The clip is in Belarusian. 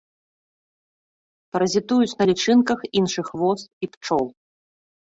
Паразітуюць на лічынках іншых вос і пчол.